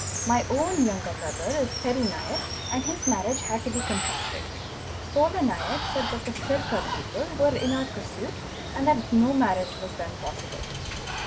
My own younger brother is Peru Naik and his marriage had to be contracted. Sola Naik said that the Sircar people were in our pursuit and that no | marriage was then possible.